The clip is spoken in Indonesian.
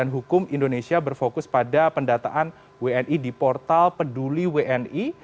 hukum indonesia berfokus pada pendataan wni di portal peduli wni